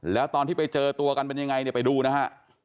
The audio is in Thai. แล้วตอนที่ไปเจอตัวกันเป็นยังไงเนี่ยไปดูนะฮะ